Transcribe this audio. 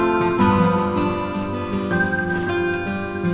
ya kita beres beres dulu